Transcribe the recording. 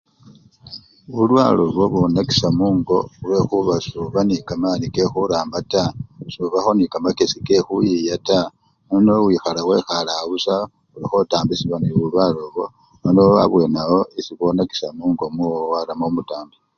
Bulwale obwo bwonakisha mungo khulwekhuba soba nende kamani kekhuramba taa, sobakho nekamakesi kekhuyiya taa nono wikhala wekhale awo busa oli khotambisyibwa nebulwale obwo nono abwenawo nio bwonakisha mungo mwowo warama omutambi.